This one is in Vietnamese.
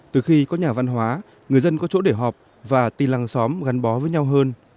từ khi có nhà văn hóa người dân có chỗ để họp và tìm lăng xóm gắn bó với nhau hơn